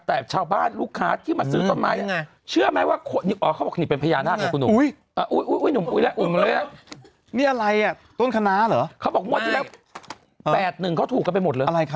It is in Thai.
แต่ชาวบ้านลูกค้าที่มาซื้อชัดใหม่